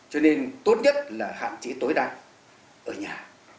cho nên tốt nhất là hạn chế tối đa ở nhà